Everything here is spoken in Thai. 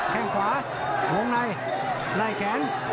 แค่งขวาวงในไล่แขน